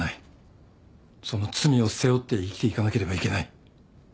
その罪を背負って生きていかなければいけない。